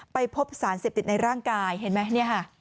ไปพบสารเสพติดในร่างกายเห็นมั้ย